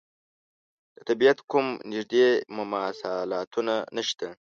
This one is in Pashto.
د طبعیت کوم نږدې مماثلاتونه نشته.